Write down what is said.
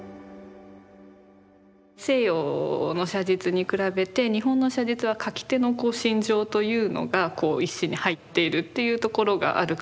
西洋の写実に比べて日本の写実は描き手の心情というのがこう一緒に入っているっていうところがあるかと思います。